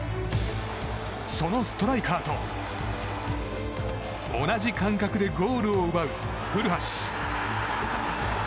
そのストライカーと同じ感覚でゴールを奪う古橋。